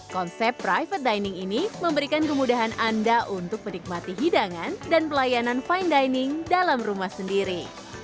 konsep private dining ini memberikan kemudahan anda untuk menikmati hidangan dan pelayanan fine dining dalam rumah sendiri